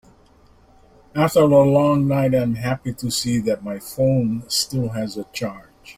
After the long night, I am happy to see that my phone still has a charge.